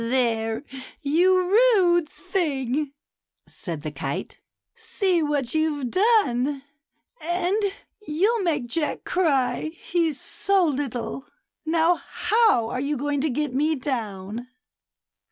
"There, you rude thing," said the kite, " see what you've done ; and you'll make Jack cry, he's so little. Now, how are you going to get me down?"